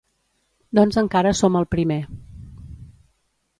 Doncs encara som al primer.